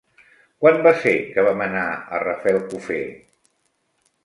Quan va ser que vam anar a Rafelcofer?